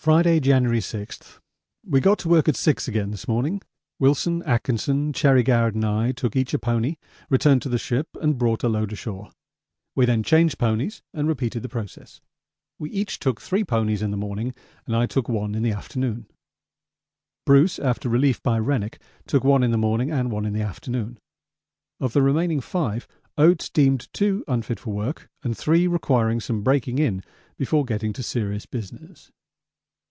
Friday, January 6. We got to work at 6 again this morning. Wilson, Atkinson, Cherry Garrard, and I took each a pony, returned to the ship, and brought a load ashore; we then changed ponies and repeated the process. We each took three ponies in the morning, and I took one in the afternoon. Bruce, after relief by Rennick, took one in the morning and one in the afternoon of the remaining five Oates deemed two unfit for work and three requiring some breaking in before getting to serious business.